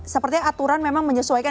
sepertinya aturan memang menyesuaikan